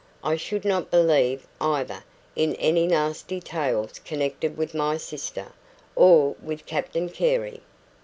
I should not believe, either, in any nasty tales connected with my sister, or with Captain Carey.